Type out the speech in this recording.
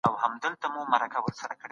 څه شی د صحي خوړو تولید تضمینوي؟